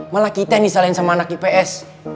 malah kita yang disalahin sama anak ips